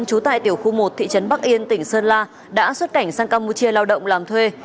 trú tại tiểu khu một thị trấn bắc yên tỉnh sơn la đã xuất cảnh sang campuchia lao động làm thuê